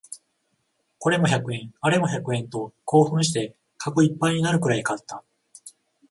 これも百円、あれも百円と興奮してカゴいっぱいになるくらい買った